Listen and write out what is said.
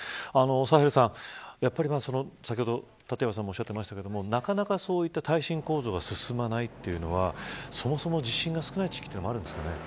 サヘルさん、先ほど立岩さんもおっしゃってましたけどなかなか耐震構造が進まないというのはそもそも地震が少ない地域というのもあるんですかね。